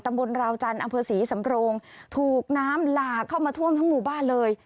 บนราวจันทร์อำเภอศรีสำโรงถูกน้ำหลากเข้ามาท่วมทั้งหมู่บ้านเลย